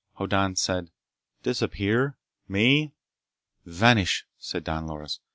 Hoddan said: "Disappear? Me?" "Vanish," said Don Loris.